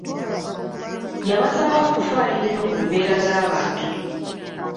Yabasaba okufaayo ennyo ku mbeera z'abantu